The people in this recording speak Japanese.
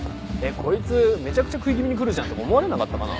こいつめちゃくちゃ食い気味にくるじゃんとか思われなかったかな？